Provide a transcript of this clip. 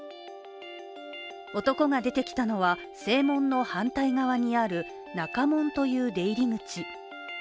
男が出てきたのは、正門の反対側にある中門という出入り口。